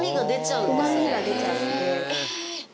うま味が出ちゃって。